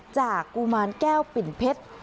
กุมารแก้วปิ่นเพชร